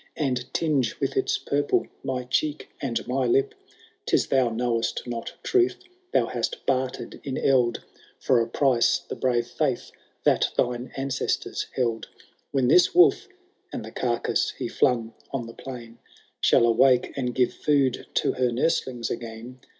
And tinge with its purple my cheek and my lip. — *Tis thou know^st not truth, thou hast bartered in eld. For a price, the bmve faith that thine ancestors held. When this wolf, — and the carcass he flung on the plain,—. ^ Shall awake and give food to her nurslings again.